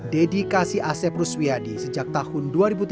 dedikasi asep ruswiyadi sejak tahun dua ribu tiga belas